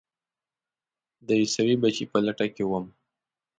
د عیسوي بچي په لټه کې وم.